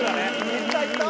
・いったいった！